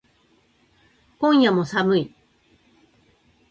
今夜も寒い